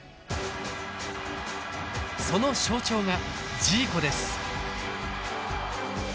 その象徴がジーコです。